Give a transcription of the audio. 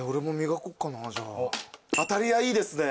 当り矢いいですね。